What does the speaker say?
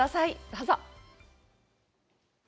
どうぞ！